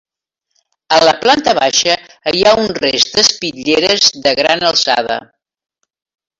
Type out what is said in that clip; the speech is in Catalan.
A la planta baixa hi ha un rest d'espitlleres de gran alçada.